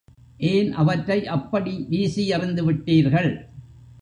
ஏன் அவற்றை அப்படி வீசி எறிந்துவிட்டீர்கள்?